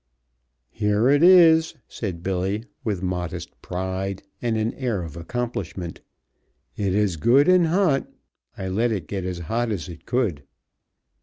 "Here it is," said Billy, with modest pride and an air of accomplishment. "It is good and hot. I let it get as hot as it could."